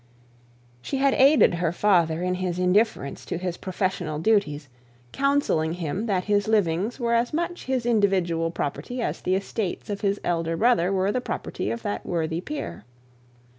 She had aided her father in his indifference to his professional duties, counselling him that his livings were as much as his individual property as the estates of his elder brother were the property of that worthy peer.